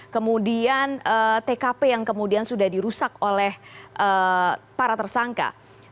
kemudian tkp yang kemudian sudah dirusak oleh para tersangka